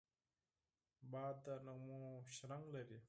باد د نغمو شرنګ لري